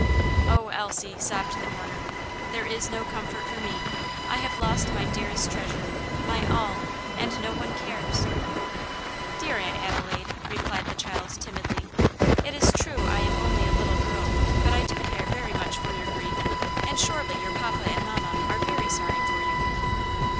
"Oh, Elsie!" sobbed the mourner, "there is no comfort for me, I have lost my dearest treasure my all and no one cares." "Dear Aunt Adelaide," replied the child timidly, "it is true I am only a little girl, but I do care very much for your grief; and surely your papa and mamma are very sorry for you."